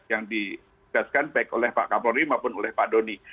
yang disaksikan baik oleh pak kapolri maupun pak doni